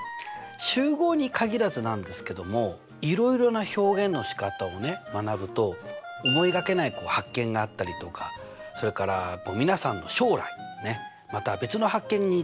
集合に限らずなんですけどもいろいろな表現のしかたを学ぶと思いがけない発見があったりとかそれから皆さんの将来また別の発見につながったりとするんですね。